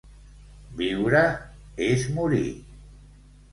Viure és morir.